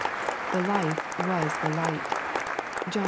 " Me Life was the Light " (John i.